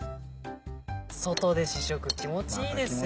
外で試食気持ちいいですよ。